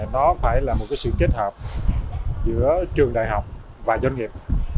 nó phải là một sự kết hợp giữa trường đại học và doanh nghiệp